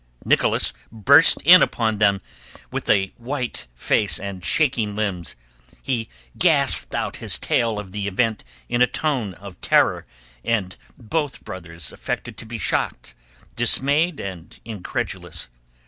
Nicholas burst in upon them with a white face and shaking limbs. He gasped out his tale of the event in a voice of terror, and both brothers affected to be shocked, dismayed and incredulous.